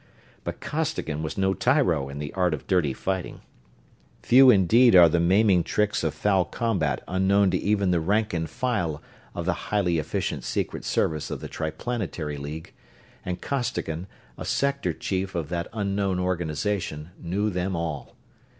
But Costigan was no tyro in the art of dirty fighting. Few indeed are the maiming tricks of foul combat unknown to even the rank and file of the highly efficient Secret Service of the Triplanetary League; and Costigan, a Sector Chief of that unknown organization, knew them all.